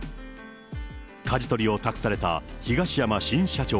かじ取りを託された東山新社長。